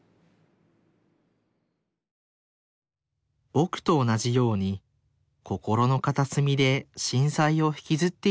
ぼくと同じように心の片隅で震災を引きずっているんじゃないか。